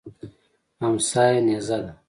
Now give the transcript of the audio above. امسا یې نیزه ده.